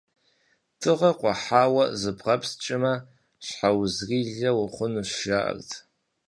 Дыгъэр къухьауэ зыбгъэпскӀмэ, щхьэузырилэ ухъунущ, жаӀэрт.